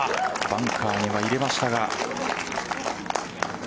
バンカーには入れましたが。